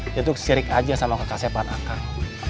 dia tuh kesirik aja sama kekasih pak akang